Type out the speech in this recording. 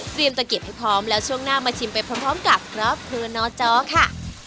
ตะเก็บให้พร้อมแล้วช่วงหน้ามาชิมไปพร้อมกับครอบครัวนจอค่ะ